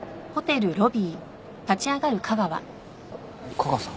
架川さん？